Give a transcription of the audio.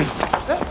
えっ？